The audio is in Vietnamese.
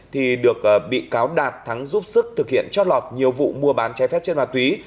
thì được bị cáo đạt thắng giúp sức thực hiện trót lọt nhiều vụ mua bán trái phép trên ma túy